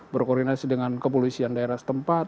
berkoordinasi dengan kepolisian daerah setempat